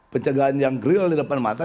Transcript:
pencegahan yang real di depan mata